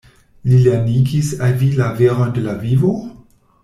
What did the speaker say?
Li lernigis al vi la verojn de la vivo?